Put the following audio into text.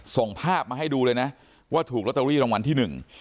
ส่งภาพมาให้ดูเลยนะว่าถูกลอตเตอรี่รางวัลที่หนึ่ง